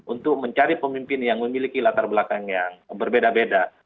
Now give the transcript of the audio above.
untuk mencari pemimpin yang memiliki latar belakang yang berbeda beda